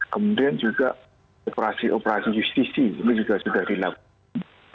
kemudian juga operasi operasi justisi ini juga sudah dilakukan